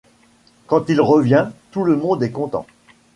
Quand il revient, tout le monde est content.